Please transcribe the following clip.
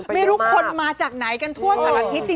ไม่รู้คนมาจากไหนกันทั่วสถานที่